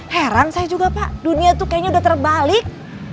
heran saya juga pak dunia tuh kayaknya udah terbalik